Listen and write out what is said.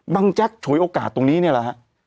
บางแจ็กส์โฉยโอกาสตรงนี้เนี่ยแหละ